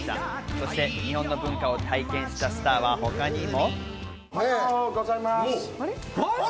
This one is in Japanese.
そして日本の文化を体験したスターは他にも。